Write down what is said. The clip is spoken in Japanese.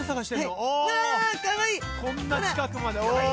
こんな近くまでお。